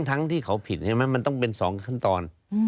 ทั้งที่เขาผิดใช่ไหมมันต้องเป็น๒ขั้นตอน